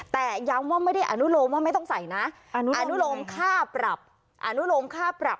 แต่ย้ำว่าไม่ได้อนุโลมว่าไม่ต้องใส่นะอนุโลมค่าปรับอนุโลมค่าปรับ